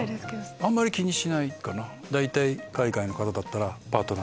あんまり気にしないかな。